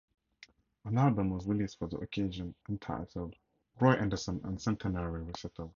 An album was released for the occasion, entitled "Roy Henderson: A Centenary Recital".